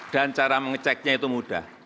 dan cara mengeceknya itu mudah